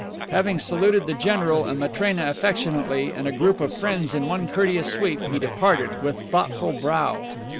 Having saluted the general and Matrena affectionately, and a group of friends in one courteous sweep, he departed, with thoughtful brow.